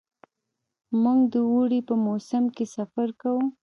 موږ د اوړي په موسم کې سفر کوو.